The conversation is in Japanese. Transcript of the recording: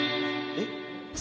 えっ？